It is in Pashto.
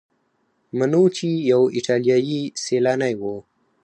منوچي یو ایټالیایی سیلانی و.